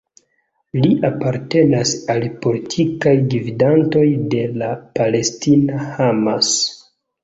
Li apartenas al politikaj gvidantoj de la palestina Hamas.